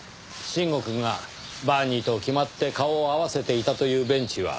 臣吾くんがバーニーと決まって顔を合わせていたというベンチは。